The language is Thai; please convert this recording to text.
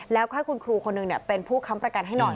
แล้วก็ให้คุณครูคนหนึ่งเป็นผู้ค้ำประกันให้หน่อย